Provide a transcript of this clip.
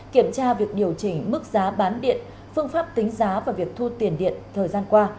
kiểm tra việc điều chỉnh mức giá bán điện phương pháp tính giá và việc thu tiền điện thời gian qua